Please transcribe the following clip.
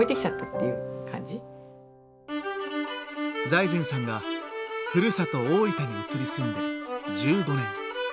財前さんがふるさと大分に移り住んで１５年。